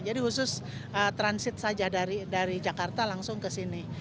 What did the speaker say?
jadi khusus transit saja dari jakarta langsung ke sini